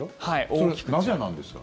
それはなぜなんですか？